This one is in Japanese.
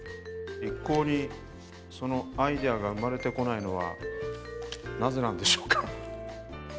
一向にアイデアが生まれてこないのはなぜなんでしょうか。